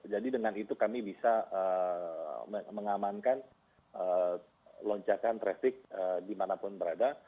jadi dengan itu kami bisa mengamankan lonjakan traffic dimanapun berada